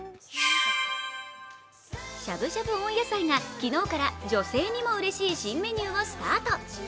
しゃぶしゃぶ温野菜が昨日から女性にもうれしい新メニューをスタート。